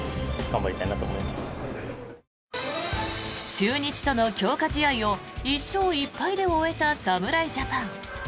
中日との強化試合を１勝１敗で終えた侍ジャパン。